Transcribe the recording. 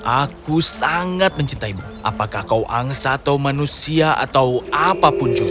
aku sangat mencintaimu apakah kau angsa atau manusia atau apapun juga